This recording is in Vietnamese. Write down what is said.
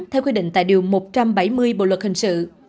theo quy định tại điều một trăm bảy mươi bộ luật hình sự